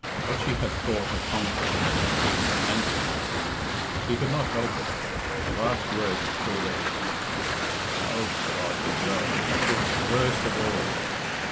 What she had thought her conquest had been her vanquishment. He could not help, it her last word had killed everything. "Oh, God," he groaned, "that is the worst of all."